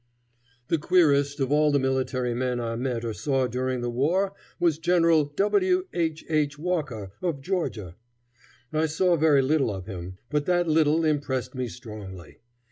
The queerest of all the military men I met or saw during the war was General W. H. H. Walker, of Georgia. I saw very little of him, but that little impressed me strongly.